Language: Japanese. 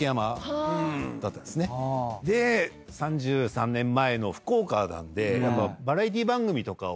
で３３年前の福岡なんでやっぱ。